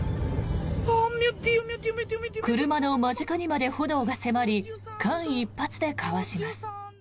車の間近にまで炎が迫り間一髪でかわします。